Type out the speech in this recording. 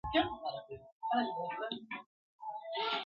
که دي دا هډوکی وکېښ زما له ستوني!!